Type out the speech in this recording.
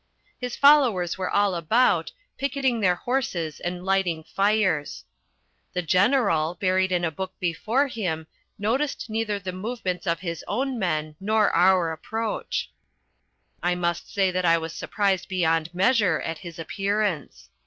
His followers were all about, picketing their horses and lighting fires. The General, buried in a book before him, noticed neither the movements of his own men nor our approach. I must say that I was surprised beyond measure at his appearance.